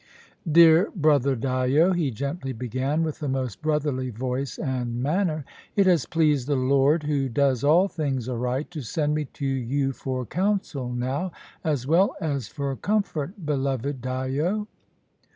"Dear brother Dyo," he gently began, with the most brotherly voice and manner; "it has pleased the Lord, who does all things aright, to send me to you for counsel now, as well as for comfort, beloved Dyo."